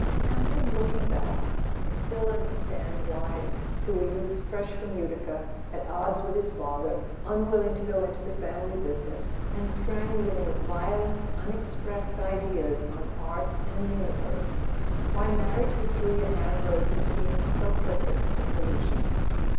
Campton, looking [ 40 ] A SON AT THE FRONT back, could still understand why, to a youth fresh from Utica, at odds with his father, unwilling to go into the family business, and strangling with violent unexpressed ideas on art and the universe, marriage with Julia Ambrose had seemed so perfect a solution.